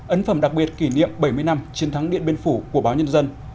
ấn phẩm đặc biệt kỷ niệm bảy mươi năm chiến thắng điện biên phủ của báo nhân dân